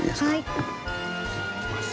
いきます。